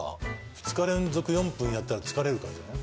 ２日連続４分やったら疲れるからじゃない？